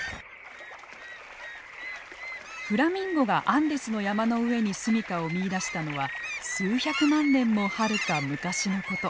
フラミンゴがアンデスの山の上に住みかを見いだしたのは数百万年もはるか昔のこと。